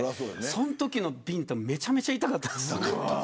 そのときのビンタめちゃくちゃ痛かったです。